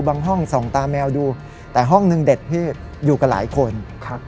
ห้องส่องตาแมวดูแต่ห้องนึงเด็ดพี่อยู่กับหลายคนครับ